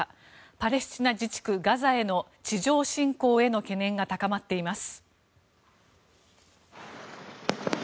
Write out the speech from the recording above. パレスチナ自治区ガザへの地上侵攻への懸念が高まっています。